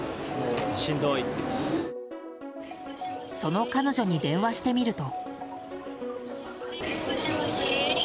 その彼女に電話してみると。